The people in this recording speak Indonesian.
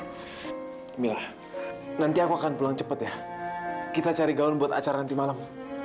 bila nanti aku akan pulang cepat ya kita cari gaun buat acara nanti malam